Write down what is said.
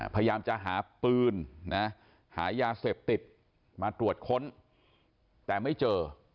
พยายามจะหาปืนนะหายาเสพติดมาตรวจค้นแต่ไม่เจอ